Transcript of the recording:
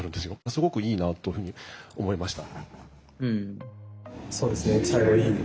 すごくいいなあというふうに思いました。